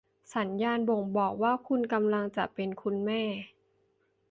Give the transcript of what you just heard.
สัญญาณบ่งบอกว่าคุณกำลังจะเป็นคุณแม่